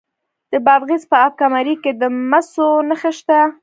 د بادغیس په اب کمري کې د مسو نښې شته.